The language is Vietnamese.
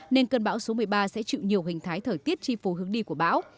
nên cơn bão số một mươi ba sẽ chịu nhiều hình thái thời tiết chi phù hướng đi của bão